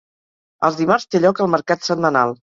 Els dimarts té lloc el mercat setmanal.